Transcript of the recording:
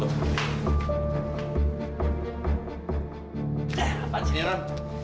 apaan sih ini nond